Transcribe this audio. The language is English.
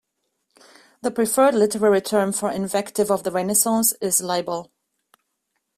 The preferred literary term for invective of the Renaissance is libel.